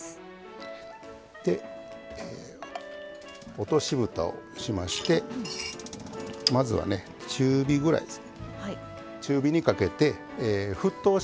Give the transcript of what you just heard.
落としぶたをしましてまずはね中火ぐらいです。